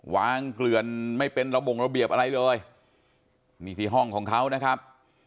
เกลื่อนไม่เป็นระบงระเบียบอะไรเลยนี่ที่ห้องของเขานะครับ